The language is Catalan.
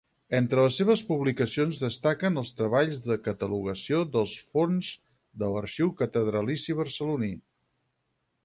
Entre les seves publicacions destaquen els treballs de catalogació dels fons de l’arxiu catedralici barceloní.